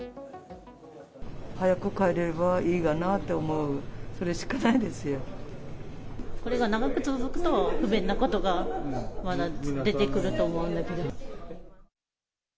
早く帰れればいいかなと思う、これが長く続くと、不便なことがまた出てくると思うんだけど。